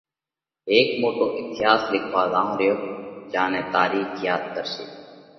هيڪ موٽو اٿياس لکوا زائونھ ريا۔ جيا نئہ تارِيخ ياڌ ڪرشي۔